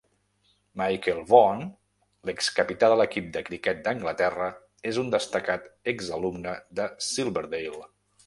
Michael Vaughan, l'excapità de l'equip de criquet d'Anglaterra, és un destacat exalumne de Silverdale.